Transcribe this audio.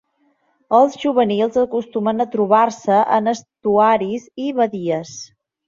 Els juvenils acostumen a trobar-se en estuaris i badies.